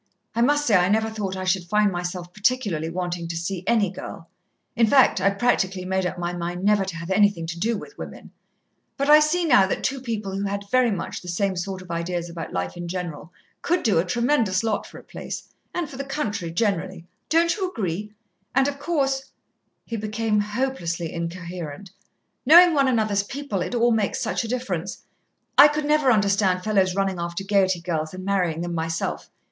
I must say I never thought I should find myself particularly wanting to see any girl in fact, I'd practically made up my mind never to have anything to do with women but I see now that two people who had very much the same sort of ideas about life in general could do a tremendous lot for a place, and for the country generally; don't you agree? and, of course " He became hopelessly incoherent, "... knowing one another's other's people it all makes such a difference ... I could never understand fellows running after Gaiety girls and marrying them, myself!!